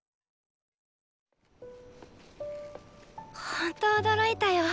ほんと驚いたよ。